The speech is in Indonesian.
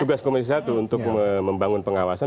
tugas komisi satu untuk membangun pengawasan